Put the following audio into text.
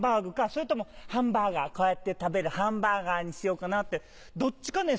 それともハンバーガーこうやって食べるハンバーガーにしようかなってどっちかね